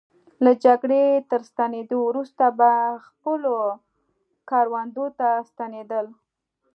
له جګړې تر ستنېدو وروسته به خپلو کروندو ته ستنېدل.